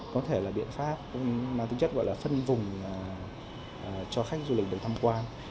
có thể là biện pháp mà tôi chắc gọi là phân vùng cho khách du lịch được tham quan